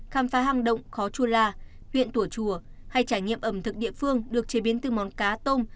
khám phá hang động khó chua la viện tủa chùa hay trải nghiệm ẩm thực địa phương được chế biến từ món cá tôm